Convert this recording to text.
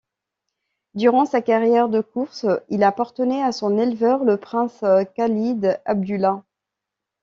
Durant sa carrière de courses, il appartenait à son éleveur, le prince Khalid Abdullah.